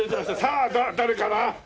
さあ誰かな？